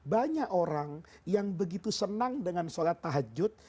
banyak orang yang begitu senang dengan sholat tahajud